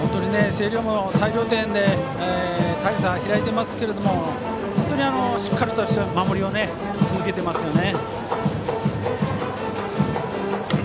星稜も大量点で大差が開いていますけど本当にしっかりとした守りを続けていますね。